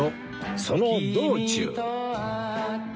その道中